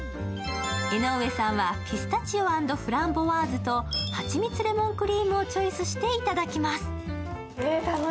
江上さんはピスタチオ＆フランボワーズとはちみつレモンクリームをチョイスして頂きます。